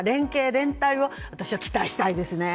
・連帯を私は期待したいですね。